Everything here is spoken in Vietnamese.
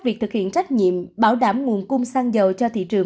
việc thực hiện trách nhiệm bảo đảm nguồn cung xăng dầu cho thị trường